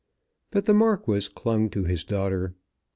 But the Marquis clung to his daughter.